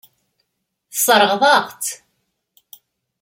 Tesseṛɣeḍ-aɣ-tt.